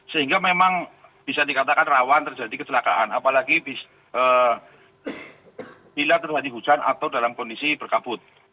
sehingga memang bisa dikatakan rawan terjadi kecelakaan apalagi bila terjadi hujan atau dalam kondisi berkabut